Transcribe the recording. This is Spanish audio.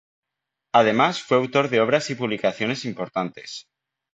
Además fue autor de obras y publicaciones importantes.